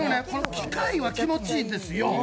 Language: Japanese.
機械は気持ちいいんですよ